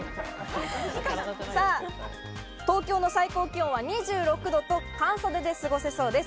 東京の最高気温は２６度と半袖で過ごせそうです。